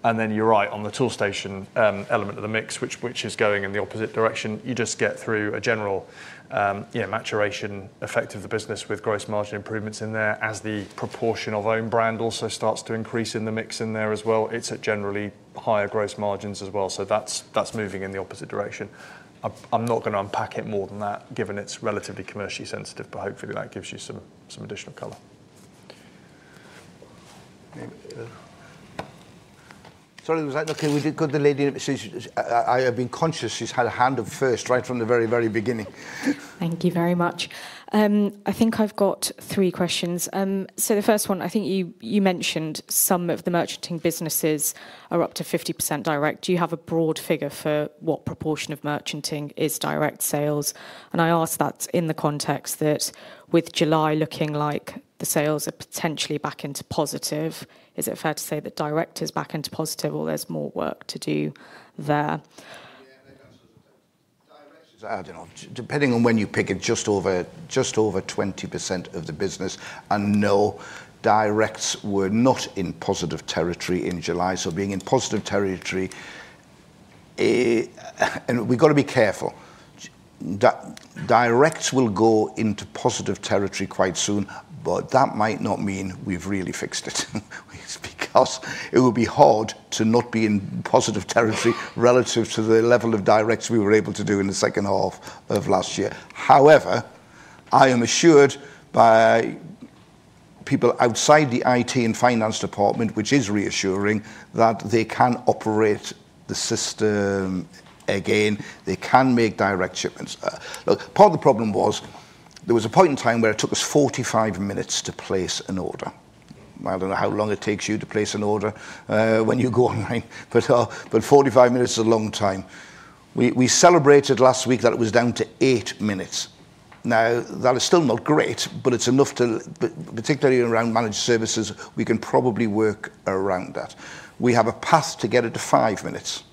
You're right on the Toolstation element of the mix, which is going in the opposite direction. You just get through a general maturation effect of the business with gross margin improvements in there. As the proportion of own brand also starts to increase in the mix in there as well, it's at generally higher gross margins as well. That's moving in the opposite direction. I'm not going to unpack it more than that, given it's relatively commercially sensitive, but hopefully that gives you some additional color. Sorry. Was that okay? We did good. The lady, I have been conscious she's had a hand up first right from the very, very beginning. Thank you very much. I think I've got three questions. The first one, I think you mentioned some of the merchanting businesses are up to 50% direct. Do you have a broad figure for what proportion of merchanting is direct sales? I ask that in the context with July looking like the sales are potentially back into positive. Is it fair to say that direct is back into positive or there's more work to do there? I don't know. Depending on when you pick it. Just over 20% of the business and no directs were not in positive territory in July. Being in positive territory, we got to be careful that directs will go into positive territory quite soon. That might not mean we've really fixed it. It's because it will be hard to not be in positive territory relative to the level of directs we were able to do in the second half of last year. I am assured by people outside the IT and finance department, which is reassuring, that they can operate the system again. They can make direct shipments. Part of the problem was there was a point in time where it took us 45 minutes to place an order. I don't know how long it takes you to place an order when you go online, but 45 minutes is a long time. We celebrated last week that it was down to 8 minutes. That is still not great, but it's enough to, particularly around managed services, we can probably work around that. We have a path to get it to 5 minutes.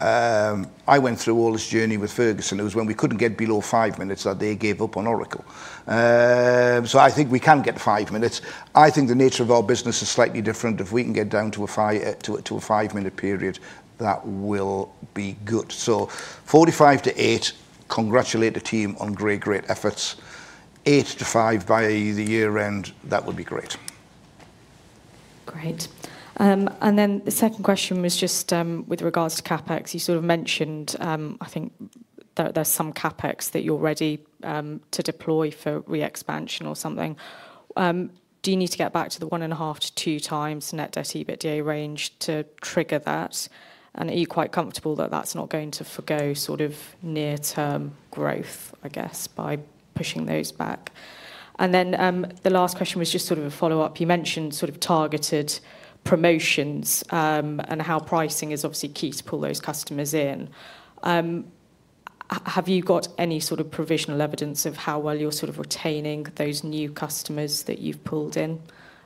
I went through all this journey with Ferguson. It was when we couldn't get below 5 minutes that they gave up on Oracle. I think we can get 5 minutes. I think the nature of our business is slightly different. If we can get down to a five minute period that will be good. 45-8, congratulate the team on great efforts. 8-5 by the year end, that would be great. Great. The second question was just with regards to CapEx. You sort of mentioned I think there's some CapEx that you're ready to deploy for re-expansion or something. Do you need to get back to the 1.5-2 times net debt EBITDA range to trigger that, and are you quite comfortable that that's not going to forego sort of near-term growth, I guess, by pushing those back? The last question was just sort of a follow-up. You mentioned sort of targeted promotions and how pricing is obviously key to pull those customers in. Have you got any sort of provisional evidence of how well you're sort of retaining those new customers that you've pulled in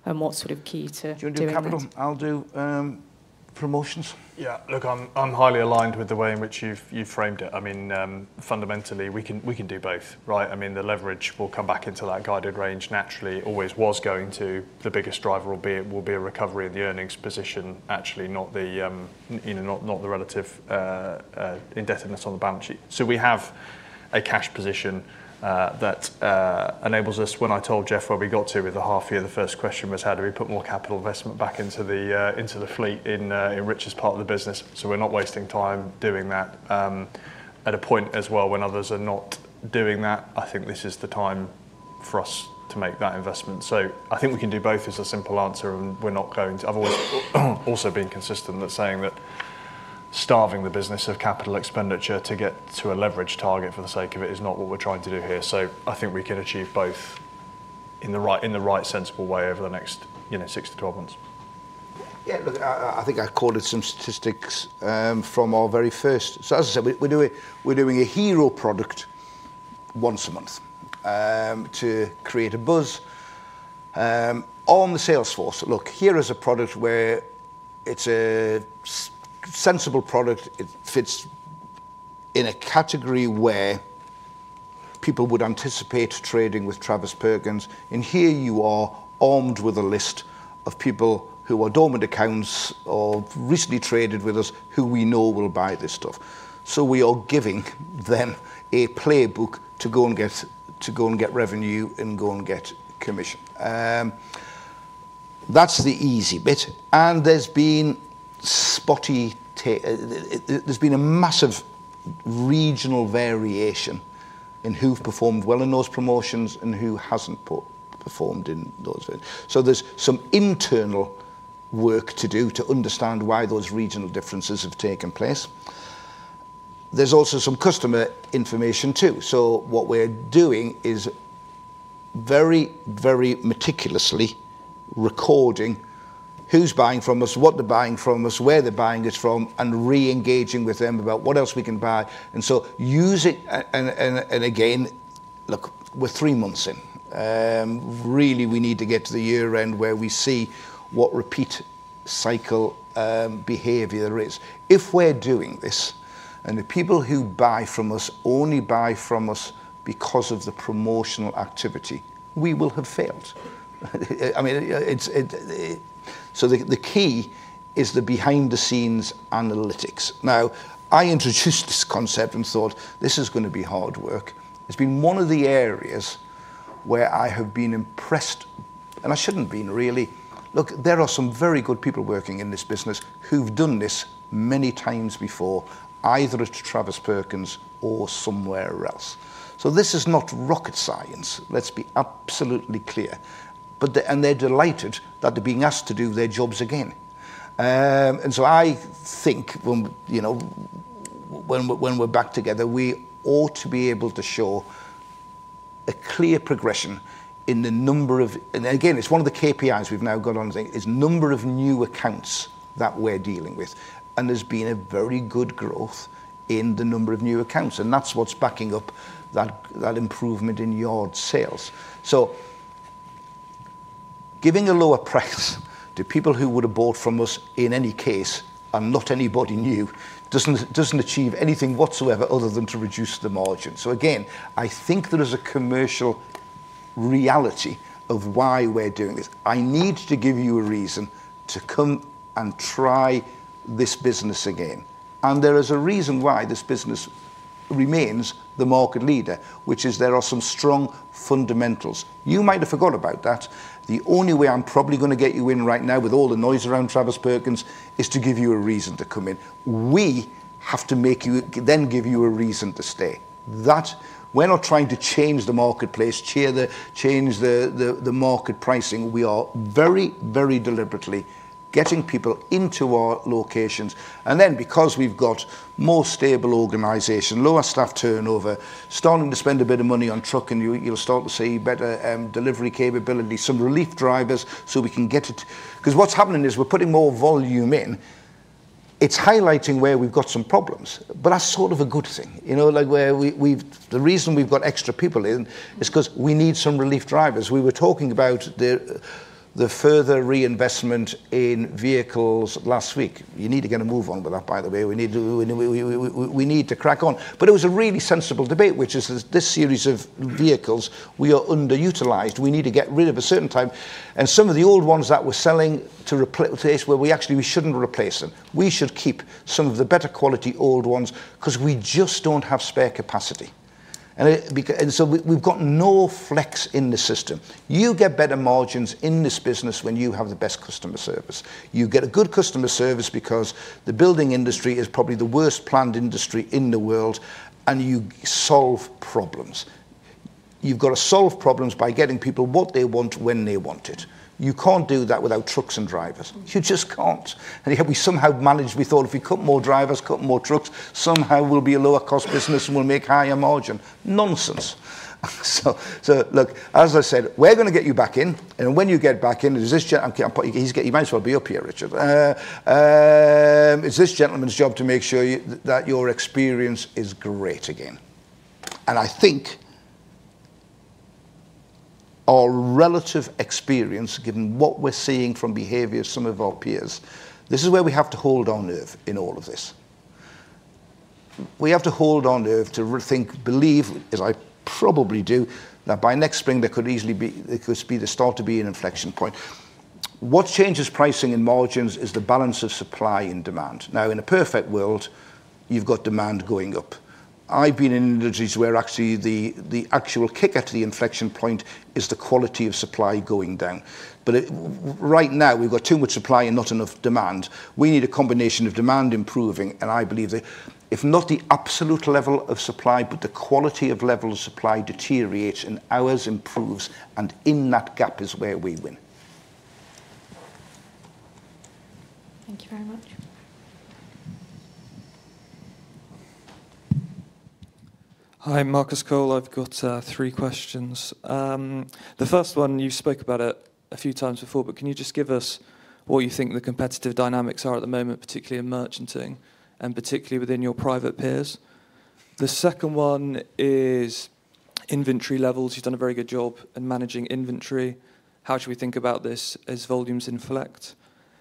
and what sort of key to capital? I'll do promotions. Yeah, look, I'm highly aligned with the way in which you've framed it. I mean, fundamentally we can do both, right? I mean, the leverage will come back into that guided range naturally, always was going to. The biggest driver will be a recovery in the earnings position, actually, not the relative indebtedness on the balance sheet. We have a cash position that enables us. When I told Geoff where we got to with the half year, the first question was how do we put more capital investment back into the fleet in the richest part of the business, so we're not wasting time doing that at a point as well when others are not doing that. I think this is the time for us to make that investment. I think we can do both as a simple answer, and we're not going to otherwise. Also, being consistent, saying that starving the business of capital expenditure to get to a leverage target for the sake of it is not what we're trying to do here. I think we can achieve both in the right sensible way over the next six to 12 months. Yeah, look, I think I quoted some statistics from our very first. As I said, we're doing a hero product once a month to create a buzz on the salesforce. Here is a product where it's a sensible product. It fits in a category where people would anticipate trading with Travis Perkins, and here you are armed with a list of people who are dormant accounts or recently traded with us who we know will buy this stuff. We are giving them a playbook to go and get revenue and go and get commission. That's the easy bit. There's been a massive regional variation in who have performed well in those promotions and who hasn't performed in those. There's some internal work to do to understand why those regional differences have taken place. There's also some customer information too. What we're doing is very, very meticulously recording who's buying from us, what they're buying from us, where they're buying us from, and re-engaging with them about what else we can buy and so use it. Again, we're three months in really. We need to get to the year end where we see what repeat cycle behavior there is. If we're doing this and the people who buy from us only buy from us because of the promotional activity, we will have failed. The key is the behind the scenes analytics. I introduced this concept and thought this is going to be hard work. It's been one of the areas where I have been impressed, and I shouldn't have been really. There are some very good people working in this business who've done this many times before, either at Travis Perkins or somewhere else. This is not rocket science, let's be absolutely clear. They're delighted that they're being asked to do their jobs again. I think when we're back together, we ought to be able to show a clear progression in the number of. It's one of the KPIs we've now got on, is number of new accounts that we're dealing with. There's been a very good growth in the number of new accounts, and that's what's backing up that improvement in yard sales. Giving a lower price to people who would have bought from us in any case and not anybody new doesn't achieve anything whatsoever other than to reduce the margin. I think there is a commercial reality of why we're doing this. I need to give you a reason to come and try this business again. There is a reason why this business remains the market leader, which is there are some strong fundamentals you might have forgot about. The only way I'm probably going to get you in right now with all the noise around Travis Perkins is to give you a reason to come in. We have to make you then give you a reason to stay that we're not trying to change the marketplace, change the market pricing. We are very, very deliberately getting people into our locations. Then, because we've got a more stable organization, lower staff turnover, starting to spend a bit of money on truck and you'll start to see better delivery capability, some relief drivers so we can get it. What's happening is we're putting more volume in, it's highlighting where we've got some problems, but that's sort of a good thing, you know, like where we've. The reason we've got extra people in is because we need some relief drivers. We were talking about the further reinvestment in vehicles last week. You need to get a move on with that, by the way. We need to crack on. It was a really sensible debate, which is this series of vehicles, we are underutilized. We need to get rid of a certain time and some of the old ones that we're selling to replace where we actually we shouldn't replace them. We should keep some of the better quality old ones because we just don't have spare capacity and so we've got no flex in the system. You get better margins in this business when you have the best customer service. You get good customer service because the building industry is probably the worst planned industry in the world. You solve problems. You've got to solve problems by getting people what they want when they want it. You can't do that without trucks and drivers. You just can't. Yet we somehow managed, we thought if we cut more drivers, cut more trucks, somehow we'll be a lower cost business and we'll make higher margin. Nonsense. So. As I said, we're going to get you back in, and when you get back in, you might as well be up here. Richard, it's this gentleman's job to make sure that your experience is great again. I think our relative experience, given what we're seeing from behavior of some of our peers, this is where we have to hold on to in all of this. We have to hold on to rethink, believe as I probably do, that by next spring there could easily be, there could start to be an inflection point. What changes pricing and margins is the balance of supply and demand. In a perfect world, you've got demand going up. I've been in industries where actually the actual kick after the inflection point is the quality of supply going down. Right now we've got too much supply and not enough demand. We need a combination of demand improving, and I believe that if not the absolute level of supply, but the quality of level of supply deteriorates and ours improves. In that gap is where we win. Thank you very much. Hi, Marcus Cole. I've got three questions. The first one, you spoke about it a few times before, but can you just give us what you think the competitive dynamics are at the moment, particularly in merchanting and particularly within your private peers? The second one is inventory levels. You've done a very good job in managing inventory. How should we think about this as volumes inflect?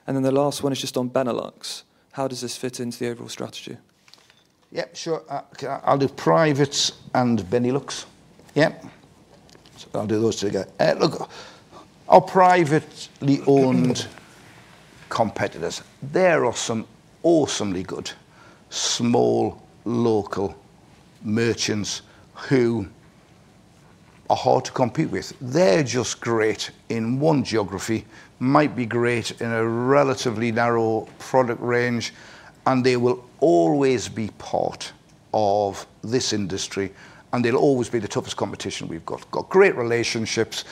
The last one is just on Benelux. How does this fit into the overall strategy? Yeah, sure, I'll do privates and Benelux. Yep, I'll do those two. Look, I'll privately own competitors. There are some awesomely good small local merchants who are hard to compete with. They're just great in one geography, might be great in a relatively narrow product range. They will always be part of this industry and they'll always be the toughest competition we've got. Got great relationships,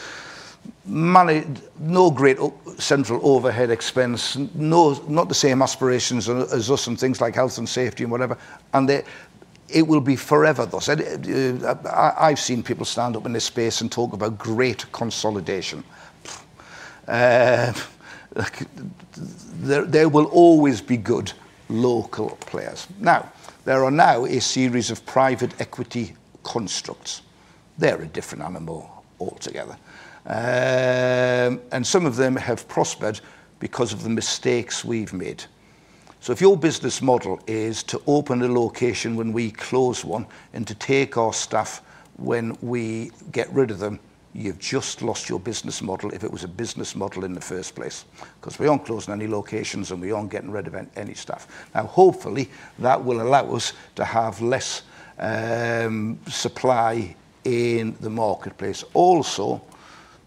no great central overhead expense, not the same aspirations as us in things like health and safety and whatever. It will be forever, though. I've seen people stand up in this space and talk about great consolidation. There will always be good local players. Now, there are now a series of private equity property constructs. They're a different animal altogether and some of them have prospered because of the mistakes we've made. If your business model is to open a location when we close one and to take our stuff when we get rid of them, you've just lost your business model if it was a business model in the first place, because we aren't closing any locations and we aren't getting rid of any stuff now. Hopefully that will allow us to have less supply in the marketplace. Also,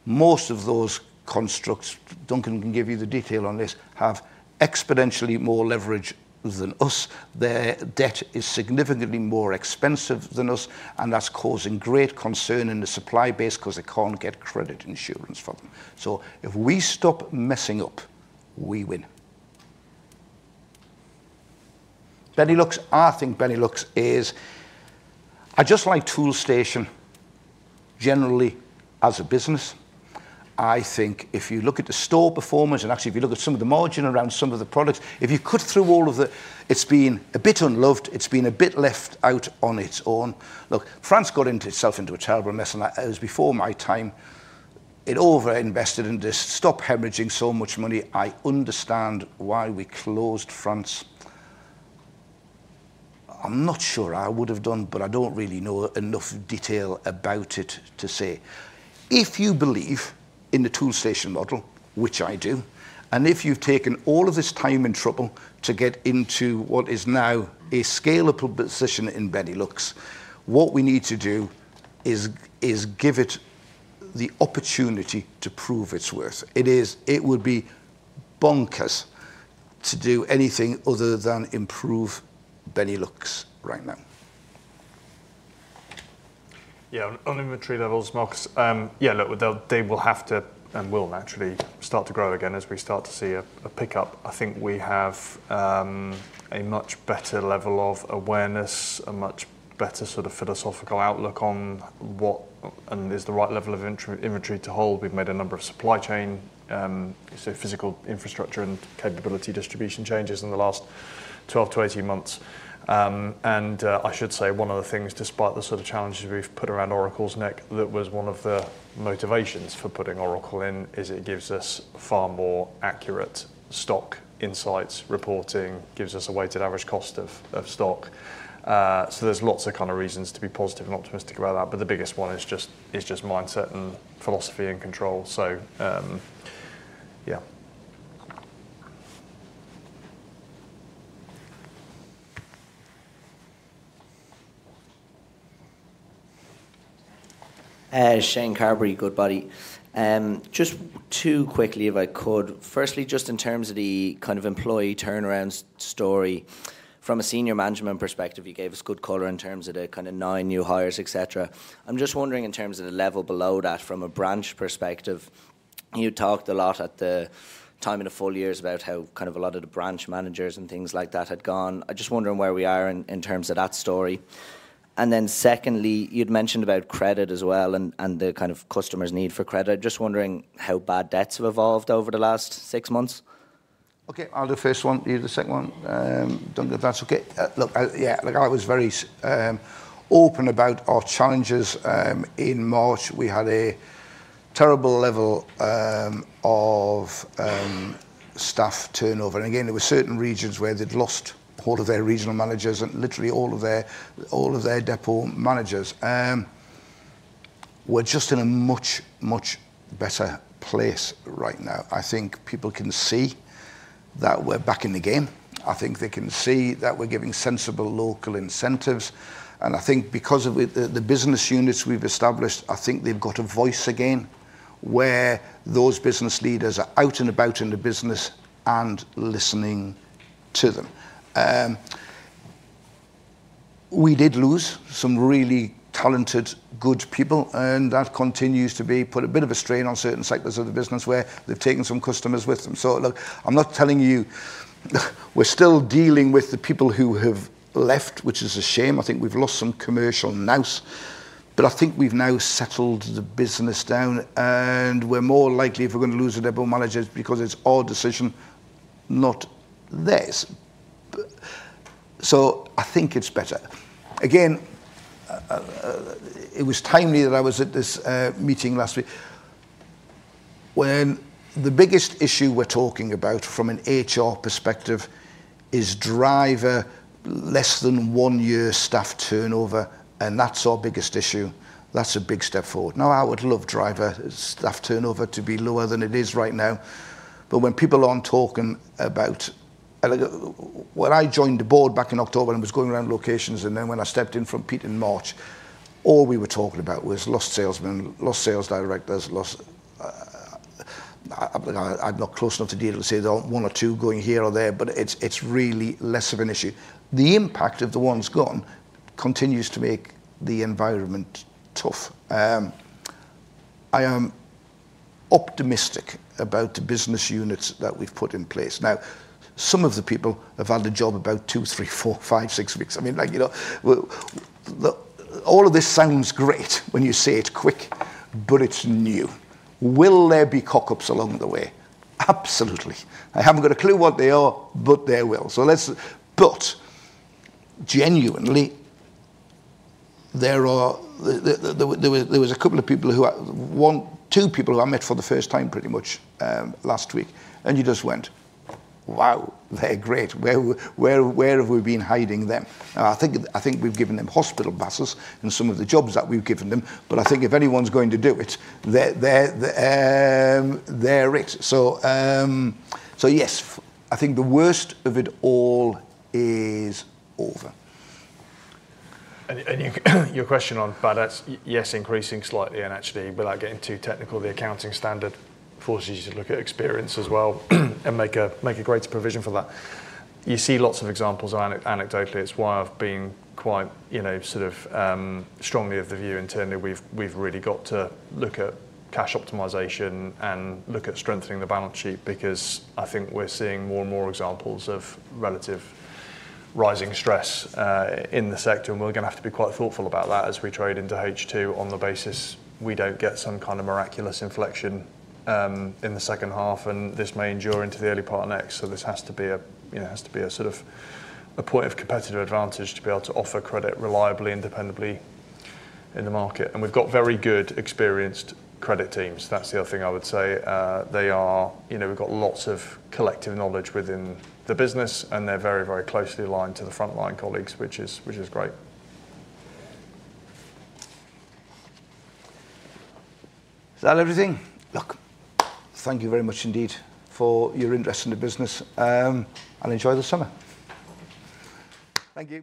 most of those constructs, Duncan can give you the detail on this, have exponentially more leverage than us. Their debt is significantly more expensive than us. That's causing great concern in the supply base because they can't get credit insurance from them. If we stop messing up, we win. Benelux. I think Benelux is, I just like Toolstation generally as a business. I think if you look at the store performers and actually if you look at some of the margin around some of the products, if you cut through all of the, it's been a bit unloved, it's been a bit left out on its own. Look, France got itself into a terrible mess and as before my time it overinvested in this. Stop hemorrhaging so much money. I understand why we closed France. I'm not sure I would have done but I don't really know enough detail about it to say. If you believe in the Toolstation model, which I do, and if you've taken all of this time and trouble to get into what is now a scalable position in Benelux, what we need to do is give it the opportunity to prove its worth. It would be bonkers to do anything other than improve Benelux right now. Yeah. On inventory levels, yeah, look, they will have to and will naturally start to grow again as we start to see a pickup. I think we have a much better level of awareness, a much better sort of philosophical outlook on what is the right level of inventory to hold. We've made a number of supply chain, so physical infrastructure and capability distribution changes in the last 12-18 months. I should say one of the things, despite the sort of challenges we've put around Oracle's neck, that was one of the motivations for putting Oracle in. It gives us far more accurate stock insights. Reporting gives us a weighted average cost of stock. There's lots of reasons to be positive and optimistic about that, but the biggest one is it's just mindset and philosophy and control. So yeah. Shane Carberry, good buddy. Just two quickly if I could. Firstly, just in terms of the kind of employee turnaround story from a Senior Management perspective, you gave us good color in terms of the kind of nine new hires etc. I'm just wondering in terms of the level below that from a branch perspective. You talked a lot at the time in the full years about how kind of a lot of the branch managers and things like that had gone. I'm just wondering where we are in terms of that story. Secondly, you'd mentioned about credit as well and the kind of customers' need for credit. Just wondering how bad debts have evolved over the last six months. Okay, I'll do first one, you use the second one. That's okay. Look, I was very open about our challenges in March. We had a terrible level of staff turnover and there were certain regions where they'd lost all of their regional managers and literally all of their depot managers. We're just in a much, much better place right now. I think people can see that we're back in the game. I think they can see that we're giving sensible local incentives and I think because of the business units we've established, they've got a voice again where those business leaders are out and about in the business and listening to them. We did lose some really talented good people and that continues to put a bit of a strain on certain sectors of the business where they've taken some customers with them. I'm not telling you we're not still dealing with the people who have left, which is a shame. I think we've lost some commercial nous but I think we've now settled the business down and we're more likely, if we're going to lose the depot managers, it's because it's our decision, not theirs. I think it's better. It was timely that I was at this meeting last week when the biggest issue we're talking about from an HR perspective is driving a less than one year staff turnover and that's our biggest issue. That's a big step forward. I would love driver staff turnover to be lower than it is right now, but when people aren't talking about it. When I joined the board back in October and was going around locations and then when I stepped in from Pete in March, all we were talking about was lost salesmen, lost sales directors. I'm not close enough to deal to say there are one or two going here or there, but it's really less of an issue. The impact of the ones gone continues to make the environment tough. I am optimistic about the business units that we've put in place now. Some of the people have had the job about two, three, four, five, six weeks. All of this sounds great when you say it quick, but it's new. Will there be cock ups along the way? Absolutely. I haven't got a clue what they are, but they will. Genuinely, there was a couple of people who, one, two people who I met for the first time pretty much last week. You just went, wow, they're great. Where have we been hiding them? I think we've given them hospital battles and some of the jobs that we've given them, but I think if anyone's going to do it, they're it. Yes, I think the worst of it all is over. Your question on bad debts? Yes, increasing slightly and actually, without getting too technical, the accounting standard forces you to look at experience as well and make a greater provision for that. You see lots of examples anecdotally. It's why I've been quite, you know, sort of strongly of the view internally. We've really got to look at cash optimization and look at strengthening the balance sheet because I think we're seeing more and more examples of relative rising stress in the sector. We're going to have to be quite thoughtful about that as we trade into H2 on the basis we don't get some kind of miraculous inflection in the second half, and this may endure into the early part of next year. This has to be a point of competitive advantage to be able to offer credit reliably, independently, sustainably in the market, and we've got very good experienced credit teams. That's the other thing I would say. We've got lots of collective knowledge within the business, and they're very, very closely aligned to the frontline colleagues, which is great. Is that everything? Thank you very much indeed for your interest in the business and enjoy the summer. Thank you.